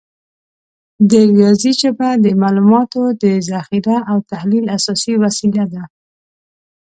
د ریاضي ژبه د معلوماتو د ذخیره او تحلیل اساسي وسیله ده.